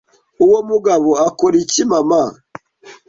Uwo mugabo akora iki mama